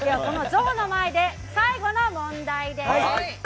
ゾウの前で最後の問題です。